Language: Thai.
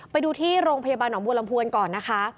ไปดูที่โรงพยาบาลหนองบัวลำพวนก่อนนะคะ